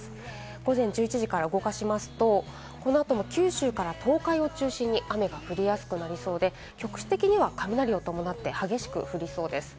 午前１１時から動かしますと、このあと九州から東海を中心に雨が降りやすくなり、局地的には雷を伴って激しく降りそうです。